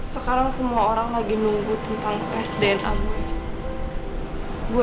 sekarang semua orang lagi nunggu tentang tes dna